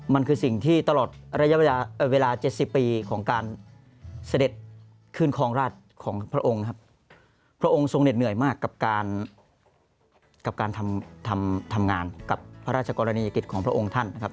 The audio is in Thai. มันคือสิ่งที่ตลอดระยะเวลา๗๐ปีของการเสด็จขึ้นครองราชของพระองค์ครับพระองค์ทรงเหน็ดเหนื่อยมากกับการกับการทำงานกับพระราชกรณียกิจของพระองค์ท่านนะครับ